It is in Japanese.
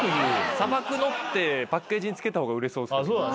「砂漠の」ってパッケージにつけた方が売れそうっすよね。